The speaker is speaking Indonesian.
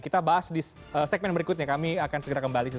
kita bahas di segmen berikutnya kami akan segera kembali